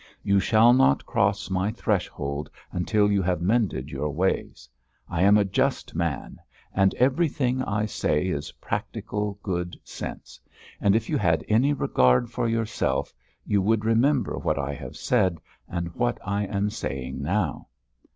You shall not cross my threshold until you have mended your ways. I am a just man, and everything I say is practical good sense, and if you had any regard for yourself, you would remember what I have said, and what I am saying now."